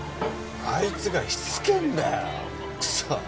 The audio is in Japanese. あいつがしつけぇんだよクソ。